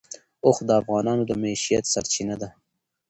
اوښ د افغانانو د معیشت سرچینه ده.